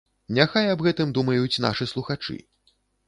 Няхай аб гэтым думаюць нашы слухачы.